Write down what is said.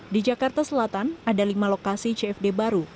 di jakarta selatan ada lima lokasi cfd baru